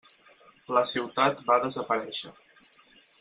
La ciutat va desaparèixer.